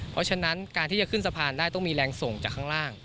เพราะฉะนั้นการที่จะขึ้นสะพานได้ต้องมีแรงส่งจากข้างล่าง